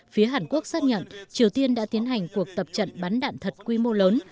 phía hàn quốc xác nhận triều tiên đã tiến hành cuộc tập trận bắn đạn thật quy mô lớn